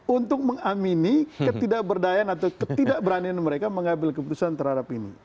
untuk mengamini ketidakberdayaan atau ketidakberanian mereka mengambil keputusan terhadap ini